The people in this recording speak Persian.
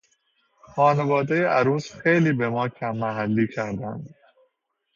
خانوادهی عروس خیلی به ما کم محلی کردند.